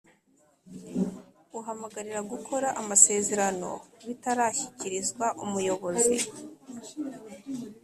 Uhamagarira gukora amasezerano bitarashyikirizwa umuyobozi